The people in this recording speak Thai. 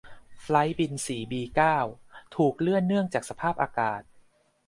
ไฟลท์บิน สี่บีเก้าถูกเลื่อนเนื่องจากสภาพอากาศ